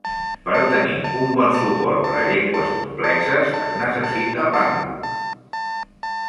Per a tenir un bon suport per a llengües complexes es necessita Pango.